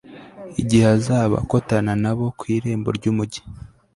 igihe azaba akotana na bo ku irembo ry'umugi